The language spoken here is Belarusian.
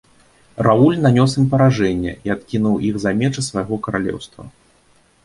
Рауль нанёс ім паражэнне і адкінуў іх за межы свайго каралеўства.